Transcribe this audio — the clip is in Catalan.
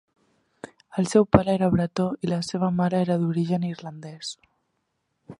El seu pare era bretó i la seva mare era d'origen irlandès.